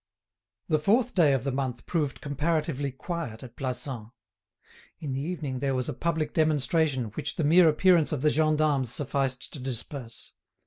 The 4th day of the month proved comparatively quiet at Plassans. In the evening there was a public demonstration which the mere appearance of the gendarmes sufficed to disperse.